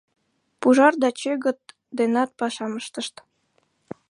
Пужар да чӧгыт денат пашам ыштышт.